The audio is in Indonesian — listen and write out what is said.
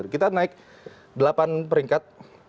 kita naik delapan peringkat